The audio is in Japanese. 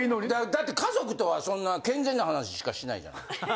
だって家族とはそんな健全な話しかしないじゃない。